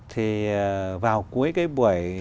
thì vào cuối cái buổi